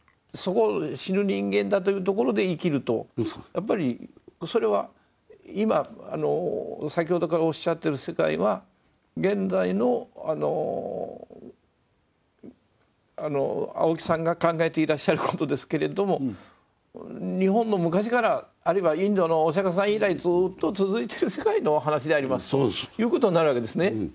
やっぱりそれは今先ほどからおっしゃってる世界は現代の青木さんが考えていらっしゃることですけれども日本の昔からあるいはインドのお釈さん以来ずっと続いてる世界のお話でありますということになるわけですね。